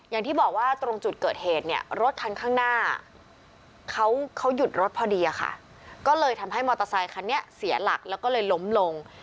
อย่างที่บอกว่าตรงจุดเกิดเหตุเนี่ยรถคันข้างหน้าเขาหยุดรถพอดีอะค่ะก็เลยทำให้มอเตอร์ไซคันนี้เสียหลักแล้วก็เลยล้มลง